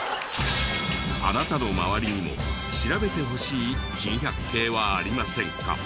あなたの周りにも調べてほしい珍百景はありませんか？